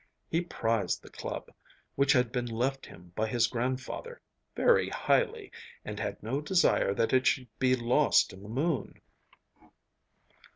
He prized the club, which had been left him by his grandfather, very highly, and had no desire that it should be lost in the moon.